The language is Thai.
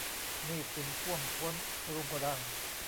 หนี้สินท่วมท้นรุงรัง